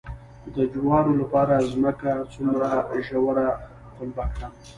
د جوارو لپاره ځمکه څومره ژوره قلبه کړم؟